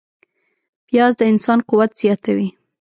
پیاز د انسان قوت زیاتوي